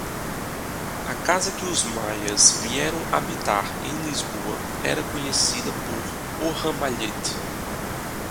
A casa que os Maias vieram habitar em Lisboa era conhecida por "o Ramalhete".